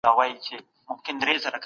موږ بايد په لاري کي خپل عزت وساتو.